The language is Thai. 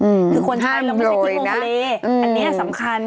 คือคนใช้แล้วไม่ใช่ที่โรงคาเลอันนี้สำคัญ